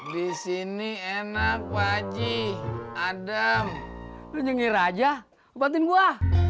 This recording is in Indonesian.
disini enak wajih adam nyengir aja buatin gua